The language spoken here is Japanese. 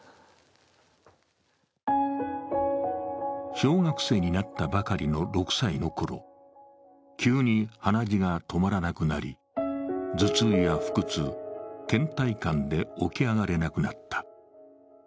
小学生になったばかりの６歳のころ、急に鼻血が止まらなくなり、頭痛や腹痛、けん怠感で起き上がれなくなった。